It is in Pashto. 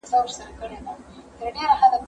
زه هره ورځ موسيقي اورم.